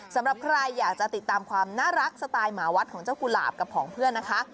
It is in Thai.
สำหรับใครอยากจะติดตามความน่ารักสไตล์หมาวัดของเจ้ากุหลาบกับของเพื่อนนะคะ